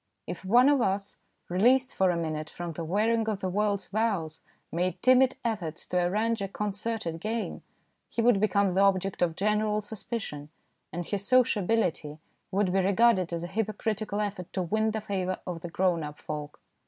If one of us, released for a minute from the wearing of the world's woes, made timid efforts to arrange a concerted game, he would become the object of general sus picion, and his sociability would be regarded as a hypocritical effort to win the favour of the grown up folk.